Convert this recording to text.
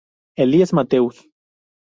Elías Matheus.